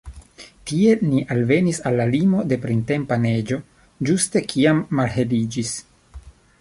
Tiel ni alvenis al la limo de printempa neĝo, ĝuste kiam malheliĝis.